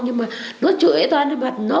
nhưng mà nó chửi toàn ra mặt nó